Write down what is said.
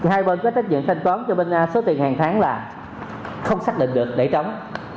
hai bên có trách nhiệm thanh toán cho bên số tiền hàng tháng là không xác định được để trống